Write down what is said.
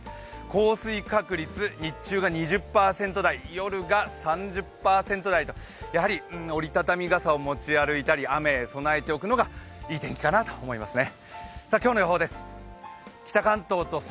降水確率、日中は２０％台、夜が３０％台と折り畳み傘を持ち歩いたり雨に備えておくのがいい天気かなと思いますね。